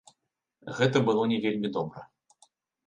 Гэта было не вельмі добра.